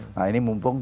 nah ini mumpung